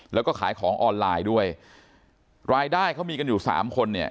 แล้วก็ขายของออนไลน์ด้วยรายได้เขามีกันอยู่สามคนเนี่ย